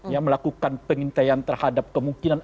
ya melakukan pengintaian terhadap kemungkinan